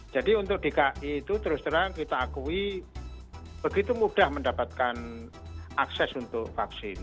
jadi untuk dki itu terus terang kita akui begitu mudah mendapatkan akses untuk vaksin